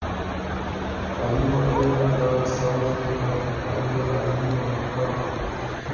ا يي وجه يې بُک که سۀ وخت يې خه ته پا يي لړايي په موقع